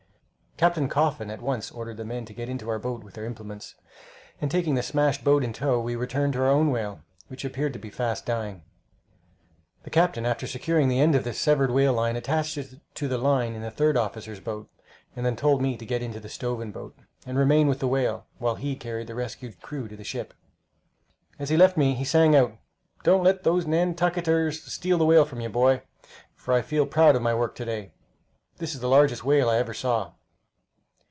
Captain Coffin at once ordered the men to get into our boat with their implements, and taking the smashed boat in tow, we returned to our own whale, which appeared to be fast dying. The captain, after securing the end of the severed whale line, attached it to the line in the third officer's boat, and then told me to get into the stoven boat, and remain by the whale, while he carried the rescued crew to the ship. As he left me he sang out, "Don't let those Nantucketers steal the whale from you, boy, for I feel proud of my work to day! That is the largest whale I ever saw."